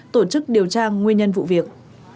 tổ chức điều tra nguyên nhân vụ việc